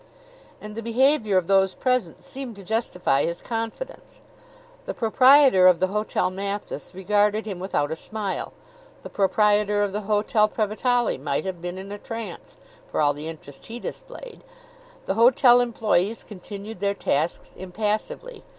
And the behavior of those present seemed to justify his confidence. The proprietor of the Hotel Mathis regarded him without a smile. The proprietor of the Hotel Previtali might have been in a trance, for all the interest he displayed. The hotel employees continued their tasks impassively.